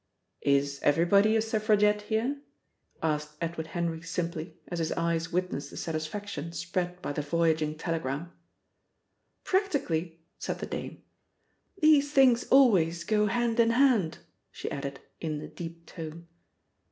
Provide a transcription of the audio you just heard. "Is everybody a suffragette here?" asked Edward Henry simply, as his eyes witnessed the satisfaction spread by the voyaging telegram. "Practically," said the dame. "These things always go hand in hand," she added in a deep tone.